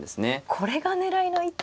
これが狙いの一手ですか。